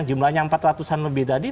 jumlahnya empat ratus an lebih tadi